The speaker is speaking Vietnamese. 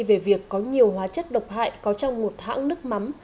về việc có nhiều hóa chất độc hại có trong một hãng nước mắm